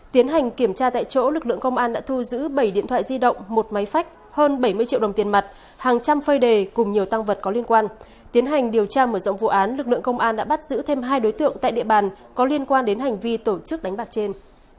tiến hành điều tra mở rộng vụ án lực lượng công an đã bắt giữ thêm hai đối tượng tại địa bàn có liên quan đến hành vi tổ chức đánh bạc trên